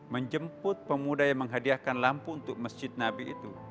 menjemput pemuda yang menghadiahkan lampu untuk masjid nabi itu